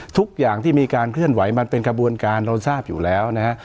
ทุกอย่างที่มีการเคลื่อนไหวมันเป็นกระบวนการเราทราบอยู่แล้วนะฮะ